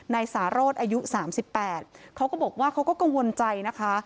นายสารสอายุ๓๘เขาก็บอกว่าเขาก็กังวลใจนะคะ